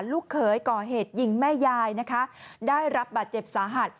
ลูกเขยก่อเหตุยิงแม่ยายนะคะได้รับบาดเจ็บสาหัส